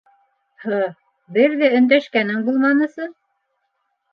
Һы... бер ҙә өндәшкәнең булманысы...